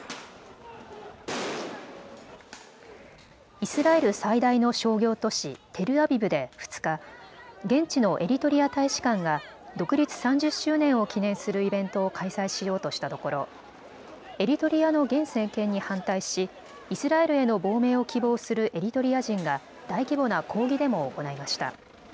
イスラエル最大の商業都市テルアビブで２日、現地のエリトリア大使館が独立３０周年を記念するイベントを開催しようとしたところエリトリアの現政権に反対しイスラエルへの亡命を希望するエリトリア人が大規模な抗議デモを行いました。